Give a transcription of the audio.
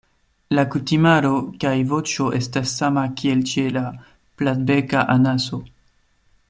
La kutimaro kaj voĉo estas sama kiel ĉe la Platbeka anaso.